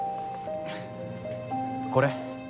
これ。